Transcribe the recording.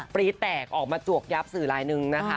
ปรี๊แตกออกมาจวกยับสื่อลายนึงนะคะ